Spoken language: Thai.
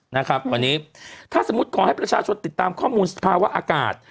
นะครับวันนี้ถ้าสมมุติขอให้ประชาชนติดตามข้อมูลสภาวะอากาศ